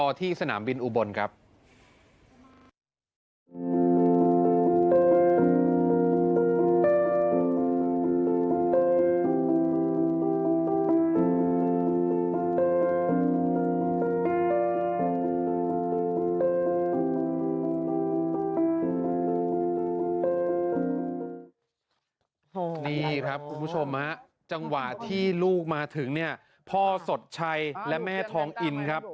นี่ครับคุณผู้ชมฮะจังหวะที่ลูกมาถึงเนี่ยพ่อสดชัยและแม่ทองอินครับ